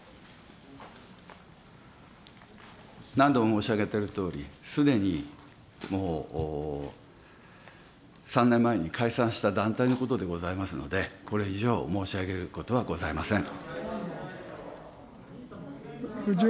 何度も申し上げているとおり、すでにもう３年前に解散した団体のことでございますので、これ以上、申し上げることはございません。